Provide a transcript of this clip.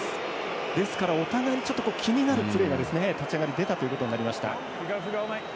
ですから、お互いにちょっと気になるプレーが立ち上がり出たということになりました。